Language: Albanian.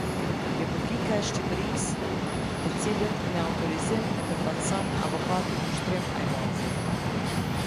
Republika e Shqipërisë, te cilët me autorizim e përfaqëson Avokati Kushtrim Ajvazi.